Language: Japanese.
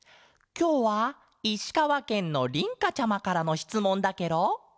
きょうはいしかわけんのりんかちゃまからのしつもんだケロ。